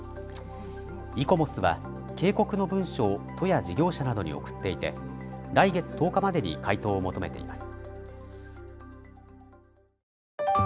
イコモスは警告の文書を都や事業者などに送っていて来月１０日までに回答を求めています。